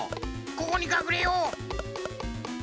ここにかくれよう！